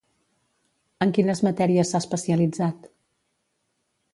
En quines matèries s'ha especialitzat?